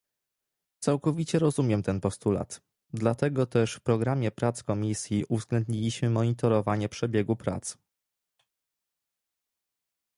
Całkowicie rozumiem ten postulat, dlatego też w programie prac Komisji uwzględniliśmy monitorowanie przebiegu prac